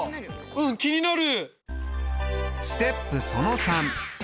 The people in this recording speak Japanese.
うん気になる。